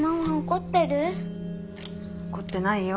怒ってないよ。